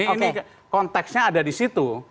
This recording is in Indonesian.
ini konteksnya ada di situ